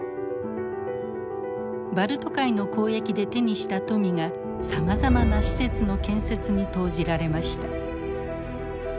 バルト海の交易で手にした富がさまざまな施設の建設に投じられました。